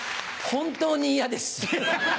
本当に嫌です。